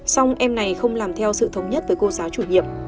xong em này không làm theo sự thống nhất với cô giáo chủ nhiệm